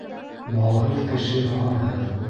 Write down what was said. Малһыҙ кеше һанһыҙ.